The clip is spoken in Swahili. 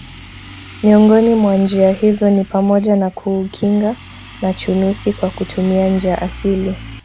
Miongoni mwa njia hizo ni pamoja na kuukinga na chunusi kwa kutumia njia asili